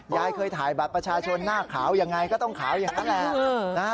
ยายเคยถ่ายบัตรประชาชนหน้าขาวยังไงก็ต้องขาวอย่างนั้นแหละ